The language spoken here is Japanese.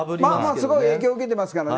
すごい影響を受けてますからね。